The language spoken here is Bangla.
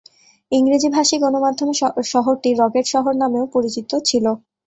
ইংরেজিভাষী গণমাধ্যমে শহরটি রকেট শহর নামেও পরিচিত ছিল।